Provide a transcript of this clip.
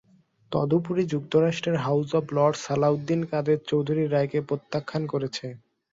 তদুপরি যুক্তরাজ্যের House of Lords Salauddin Quader চৌধুরীর রায়কে প্রত্যাখ্যান করেছে।